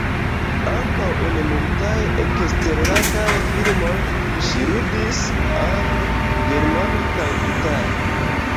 Ankaŭ en multaj eksterlandaj filmoj ŝi ludis, angle, germane kaj itale.